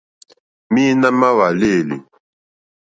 Mǐīnā má hwàlêlì.